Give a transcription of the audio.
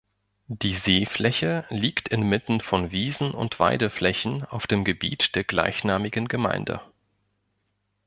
Die Seefläche liegt inmitten von Wiesen- und Weideflächen auf dem Gebiet der gleichnamigen Gemeinde.